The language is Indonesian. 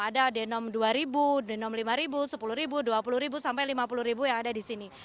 ada denom dua denom lima sepuluh dua puluh sampai lima puluh yang ada di sini